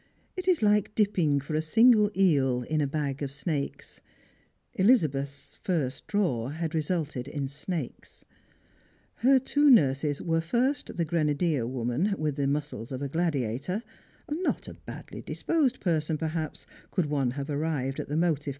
It is lik^ dipping for a single eel in a bag of snakes. Elizabeth's first draw had resulted in snakes. Her two nurses were first the grenadier woman, with the muscles of a gladiator, not a badly disposed person perhaps, could one have arrived at the motive ^^8 '" Strangers and Pilgrims.